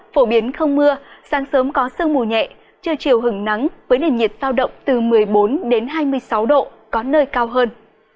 phổ biến không mưa sáng sớm có sương mù nhẹ chưa chiều hứng nắng với nền nhiệt sao động từ một mươi bốn đến hai mươi sáu độ có nơi cao hơn